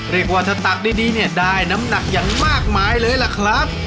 เรียกว่าถ้าตักดีเนี่ยได้น้ำหนักอย่างมากมายเลยล่ะครับ